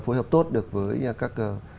phối hợp tốt được với các